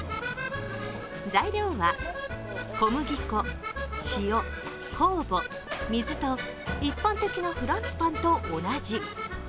材料は小麦粉、塩、酵母、水と一般的なフランスパンと同じ。